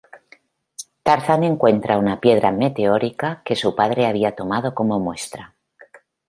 Tarzán encuentra una piedra meteórica que su padre había tomado como muestra.